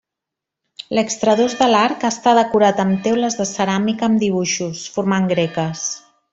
L'extradós de l'arc està decorat amb teules de ceràmica amb dibuixos formant greques.